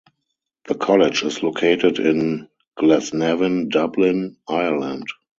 The college is located in Glasnevin, Dublin, Ireland.